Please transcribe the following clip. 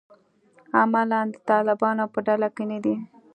عملاً د طالبانو په ډله کې نه دي.